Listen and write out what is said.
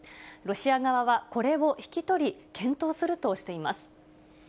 ロシア側はこれを引き取り、検討するとしています。